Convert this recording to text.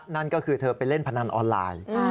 นั่นก็คือเธอไปเล่นพนันออนไลน์